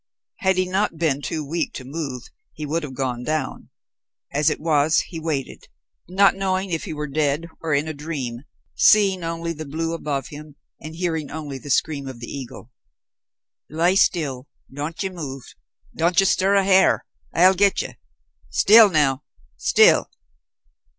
Had he not been too weak to move he would have gone down; as it was, he waited, not knowing if he were dead or in a dream, seeing only the blue above him, and hearing only the scream of the eagle. "Lie still. Don't ye move. Don't ye stir a hair. I'll get ye. Still now still."